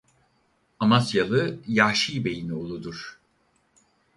Amasyalı Yahşi Bey'in oğludur.